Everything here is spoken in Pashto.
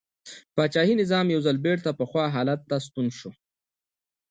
پاچاهي نظام یو ځل بېرته پخوا حالت ته ستون شو.